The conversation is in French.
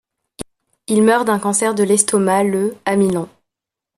Il meurt d'un cancer de l'estomac le à Milan.